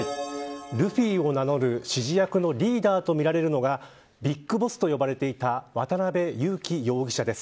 ルフィを名乗る指示役のリーダーとみられるのがビッグボスと呼ばれていた渡辺優樹容疑者です。